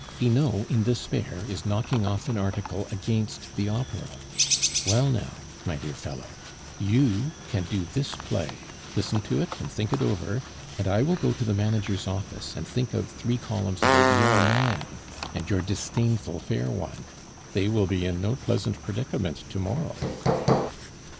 Finot, in despair, is knocking off an article against the Opera. Well now, my dear fellow, you can do this play; listen to it and think it over, and I will go to the manager's office and think out three columns about your man and your disdainful fair one. They will be in no pleasant predicament to morrow."